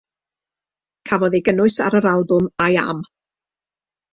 Cafodd ei gynnwys ar yr albwm "I Am".